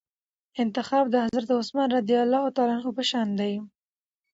انتخاب د حضرت عثمان رضي الله عنه په شان دئ.